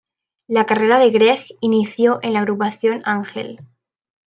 La carrera de Gregg inició en la agrupación Angel.